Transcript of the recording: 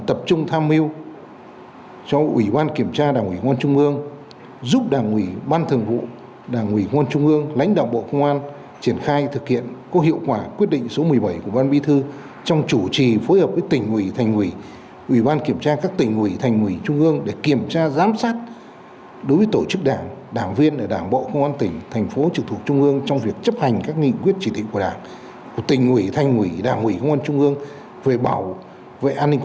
tập trung chỉ đạo cơ quan ủy ban kiểm tra các cấp tham hiu với ủy ban kiểm tra các cấp tham hiu với ủy ban kiểm tra các cấp tăng cường công tác giám sát tổ chức đảng người đứng đầu cán bộ chủ chốt ở những địa bàn dễ xảy ra vi phạm dư luận quan tâm